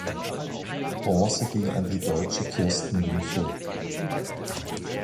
Bronze ging an die Deutsche Kirsten Münchow.